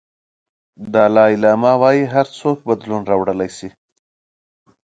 دالای لاما وایي هر څوک بدلون راوړلی شي.